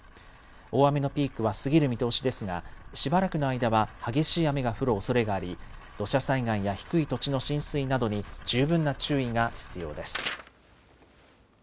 大雨のピークは過ぎる見通しですがしばらくの間は激しい雨が降るおそれがあり、土砂災害や低い土地の浸水などに十分な注意が必要です。